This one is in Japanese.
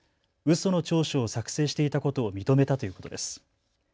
その調書を作成していたことを認めたということです。